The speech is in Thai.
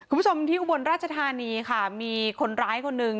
คุณผู้ชมที่อุบลราชธานีค่ะมีคนร้ายคนหนึ่ง